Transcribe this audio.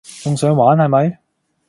仲想玩係咪？